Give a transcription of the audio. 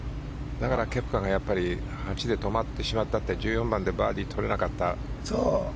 だからケプカが８で止まってしまったって１４番でバーディー取れなかった。